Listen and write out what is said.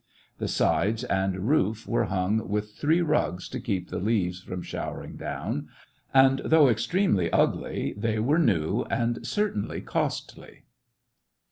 The sides and SEVASTOPOL IN AUGUST. 159 roof were hung with three rugs, to keep the leaves from showering down, and, though extremely ugly, they were new, and certainly costly.